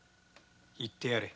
行ってやれ。